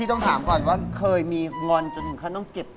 ต้องถามก่อนว่าเคยมีงอนจนเขาต้องเก็บ